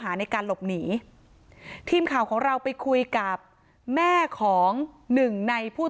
ในการหลบหนีทีมข่าวของเราไปคุยกับแม่ของหนึ่งในผู้